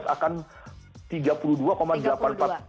dua ribu sembilan belas akan rp tiga puluh dua delapan ratus